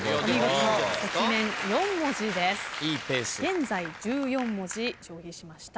現在１４文字消費しました。